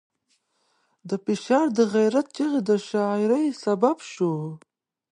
دا فشار د غیرت چغې شاعرۍ سبب شو.